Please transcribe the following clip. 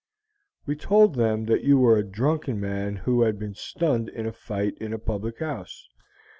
"We told them that you were a drunken man who had been stunned in a fight in a public house.